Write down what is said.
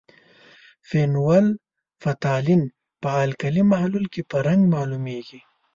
فینول فتالین په القلي محلول کې په رنګ معلومیږي.